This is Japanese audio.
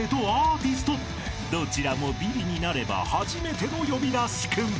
［どちらもビリになれば初めての呼び出しクン］